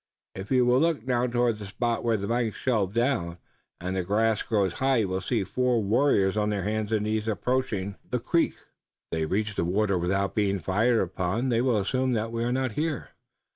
If you will look now toward the spot where the banks shelve down, and the grass grows high you will see four warriors on their hands and knees approaching the creek. If they reach the water without being fired upon they will assume that we are not here.